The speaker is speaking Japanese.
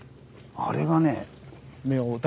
あれがね。